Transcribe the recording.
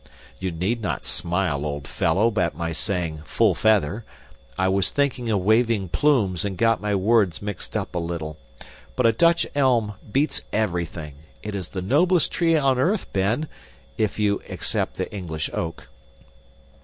You need not smile, old fellow, at my saying 'full feather.' I was thinking of waving plumes and got my words mixed up a little. But a Dutch elm beats everything; it is the noblest tree on earth, Ben if you except the English oak."